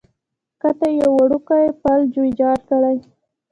کښته یې یو وړوکی پل ویجاړ کړی.